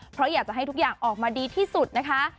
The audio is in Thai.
เพราะอยากจะให้ทุกอย่างออกมาดีที่สุดนะคะ